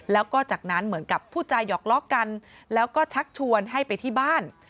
แล้วก็จากนั้นเหมือนกับผู้จาหยอกล้อกันแล้วก็ชักชวนให้ไปที่บ้าน